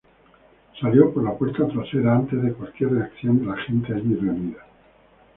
Salió por la puerta trasera antes de cualquier reacción de la gente ahí reunida.